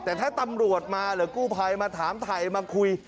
แต่ถ้าตำรวจมาหรือกู้ภัยมาถามถ่ายมาคุย